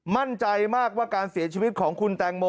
มั่นใจมากว่าการเสียชีวิตของคุณแตงโม